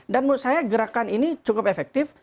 dan menurut saya gerakan ini cukup efektif